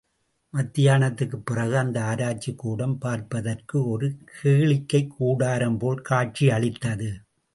மத்தியானத்துக்குப் பிறகு அந்த ஆராய்ச்சிக்கூடம் பார்ப்பதற்கு ஒரு கேளிக்கைக்கூடாரம் போல் காட்சியளித்தது.